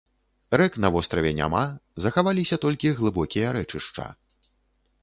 Рэк на востраве няма, захаваліся толькі глыбокія рэчышча.